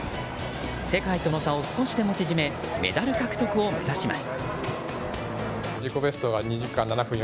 世界との差を少しでも縮めメダル獲得を目指します。